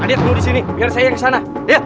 aduh tunggu disini biar saya yang kesana